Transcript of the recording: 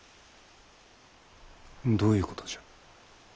どういうことじゃ。